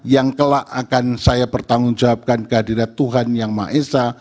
yang kelak akan saya bertanggung jawabkan kehadirat tuhan yang maha esa